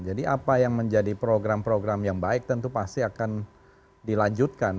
jadi apa yang menjadi program program yang baik tentu pasti akan dilanjutkan